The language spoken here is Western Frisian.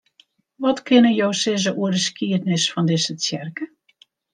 Wat kinne jo sizze oer de skiednis fan dizze tsjerke?